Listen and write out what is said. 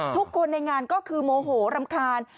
ทุกคนในงานก็คือโมโหรำคาญ